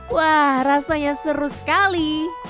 wah rasanya seru sekali